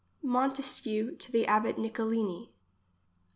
Montesquieu to the abbot Nicolini.